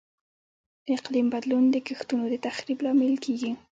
د اقلیم بدلون د کښتونو د تخریب لامل کیږي.